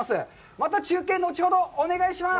また中継、後ほどお願いします。